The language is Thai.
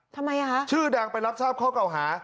ทำไมอ่ะคะชื่อดังไปรับทราบข้อเก่าหา